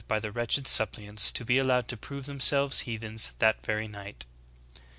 by the wretched suppliants to be allowed to prove themselves heathens that very night."*^ 6.